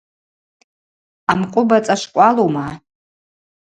Амкъвыба цӏашвкӏвалума?